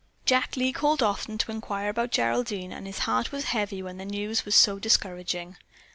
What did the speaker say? Jack Lee called often to inquire about Geraldine, and his heart was heavy when the news was so discouraging.